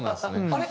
あれ？